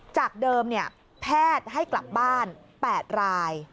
จากเดิมแพทย์ให้กลับบ้าน๘ราย